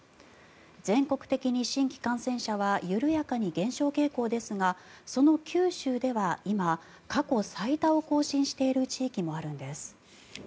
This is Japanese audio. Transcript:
全国的に新規感染者は緩やかに減少傾向ですがその九州では今、過去最多を更新している地域もあるんです。